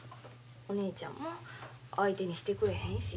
お姉ちゃんも相手にしてくれへんし。